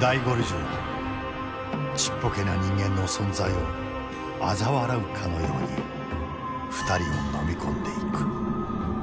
大ゴルジュはちっぽけな人間の存在をあざ笑うかのように２人をのみ込んでいく。